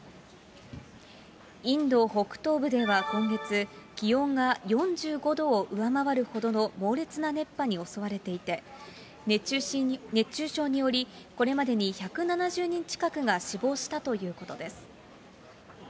インド北東部では今月、気温が４５度を上回るほどの猛烈な熱波に襲われていて、熱中症により、これまでに１７０人近くが死亡したということです。